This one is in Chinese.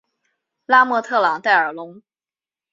拉莫特朗代尔龙。